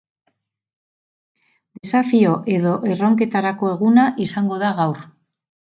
Desafio edo erronketarako eguna izango da gaur.